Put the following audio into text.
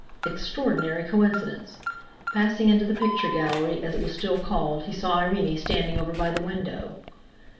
Extraordinary coincidence! Passing into the picture gallery, as it was still called, he saw Irene standing over by the window.